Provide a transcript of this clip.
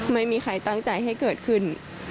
ไม่มีใครตั้งใจให้เกิดขึ้น